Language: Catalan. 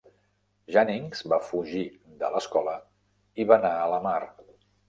Janings va fugir de l'escola i va anar a la mar.